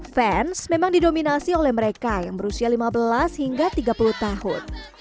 fans memang didominasi oleh mereka yang berusia lima belas hingga tiga puluh tahun